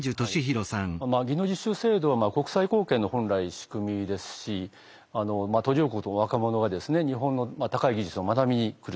技能実習制度は国際貢献の本来仕組みですし途上国の若者が日本の高い技術を学びに来ると。